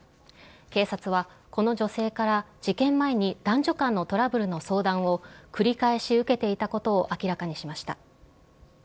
警察は、この女性から、事件前に男女間のトラブルの相談を繰り返し受けていたことを明らかにしました。